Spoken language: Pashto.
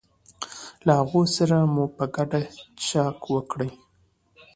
له هغو سره مو په ګډه څښاک وکړ.